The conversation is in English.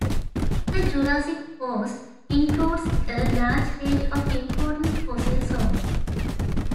The Jurassic Coast includes a large range of important fossil zones.